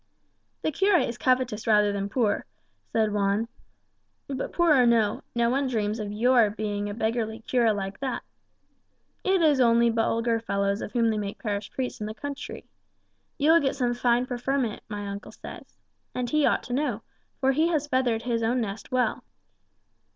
"The cura is covetous rather than poor," said Juan. "But poor or no, no one dreams of your being a beggarly cura like that. It is only vulgar fellows of whom they make parish priests in the country. You will get some fine preferment, my uncle says. And he ought to know, for he has feathered his own nest well."